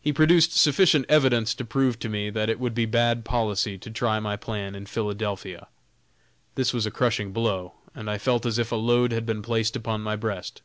He produced sufficient evidence to prove to me that it would be bad policy to try my plan in Philadelphia. This was a crushing blow, and I felt as if a load had been placed upon my breast.